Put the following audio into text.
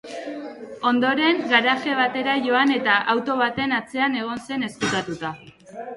Ondoren, garaje batera joan eta auto baten atzean egon zen ezkutatuta.